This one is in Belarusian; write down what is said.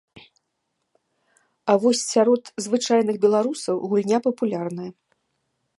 А вось сярод звычайных беларусаў гульня папулярная.